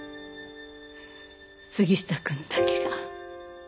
杉下くんだけが。